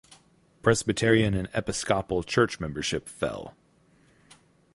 Presbyterian and Episcopal church membership fell.